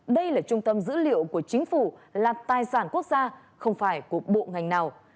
đây là trung tâm dữ liệu của chính phủ là tài sản quốc gia không phải của bộ ngành nào